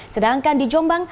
sedangkan di jombang